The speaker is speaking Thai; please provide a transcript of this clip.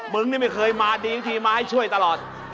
มึงนี่ไม่เคยมาดีทีมาให้ช่วยตลอด